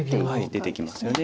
出ていきますよね。